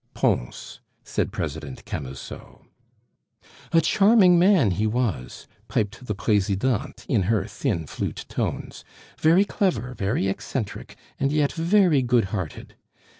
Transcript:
"Pons," said President Camusot. "A charming man he was," piped the Presidente in her thin, flute tones, "very clever, very eccentric, and yet very good hearted.